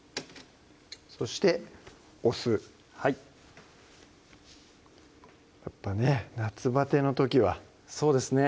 そしてお酢はいやっぱね夏バテの時はそうですね